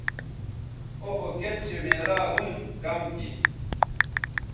او خو کِت چہء میلاو ھُن کم تھی